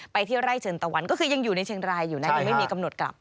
ที่ไร่เชิญตะวันก็คือยังอยู่ในเชียงรายอยู่นะยังไม่มีกำหนดกลับ